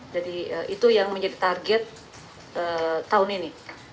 itu yang menjadi target tahun ini